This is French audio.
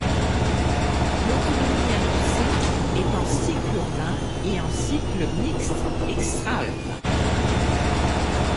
L'autonomie annoncée est de en cycle urbain et en cycle mixte extra-urbain.